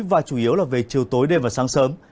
và chủ yếu là về chiều tối đêm và sáng sớm